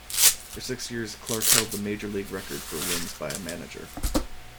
For six years, Clarke held the Major League record for wins by a manager.